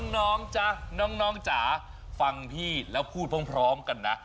น้องจ๊ะน้องจ๋าฟังพี่แล้วพูดพร้อมกันนะ